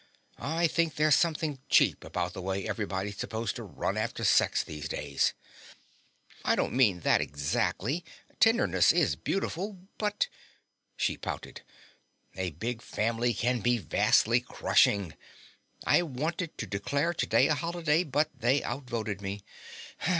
"I think there's something cheap about the way everybody's supposed to run after sex these days." "I don't mean that exactly. Tenderness is beautiful, but " She pouted. "A big family can be vastly crushing. I wanted to declare today a holiday, but they outvoted me.